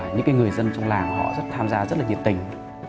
những người dân trong làng họ rất tham gia rất là nhiệt tình